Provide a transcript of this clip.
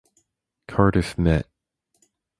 Cardiff Met.